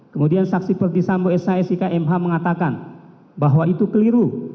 kemudian saksi perdisambo s a s i k m h mengatakan bahwa itu keliru